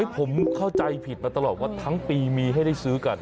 ผมเข้าใจผิดมาตลอดว่าทั้งปีมีให้ได้ซื้อกัน